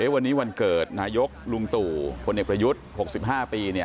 วันนี้วันเกิดนายกลุงตู่พลเอกประยุทธ์๖๕ปี